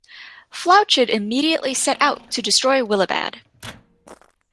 Flaochad immediately set out to destroy Willibad.